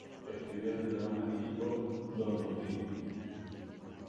Escribió el drama lírico "Don Rodrigo".